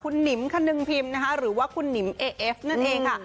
คุณหนิมคนึงพิมพ์นะคะหรือว่าคุณหนิมเอเอฟนั่นเองค่ะ